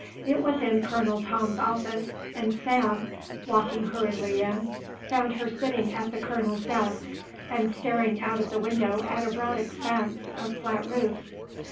It was in Colonel Tom's office, and Sam, walking hurriedly in, found her sitting at the colonel's desk and staring out of the window at a broad expanse of flat roofs.